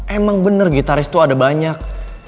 emang bener gitaris tuh ada banyak